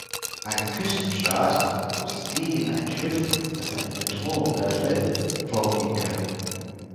Ein Küstenstaat muss gegen ein Schiff, das eine Bedrohung darstellt, vorgehen können.